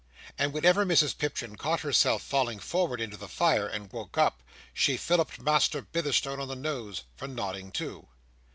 And whenever Mrs Pipchin caught herself falling forward into the fire, and woke up, she filliped Master Bitherstone on the nose for nodding too.